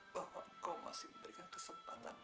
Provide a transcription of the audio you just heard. bahwa engkau masih memberikan kesempatan